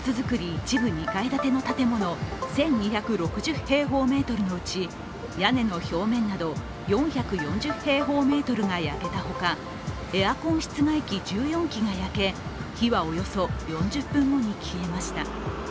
一部２階建ての建物、１２６０平方メートルのうち、屋根の表面など４４０平方メートルが焼けたほか、エアコン室外機１４基が焼け、火はおよそ４０分後に消えました。